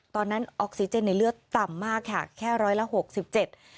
ตอนนั้นออกซิเจนในเลือดต่ำมากค่ะแค่ร้อยละหกสิบเจ็ด